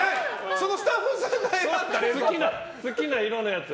そのスタッフさんが好きな色のやつ。